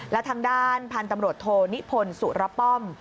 และทางด้านพันธุ์ตำรวจโทนิพลสุรป้อม